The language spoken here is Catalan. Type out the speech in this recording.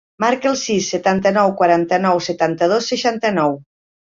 Marca el sis, setanta-nou, quaranta-nou, setanta-dos, seixanta-nou.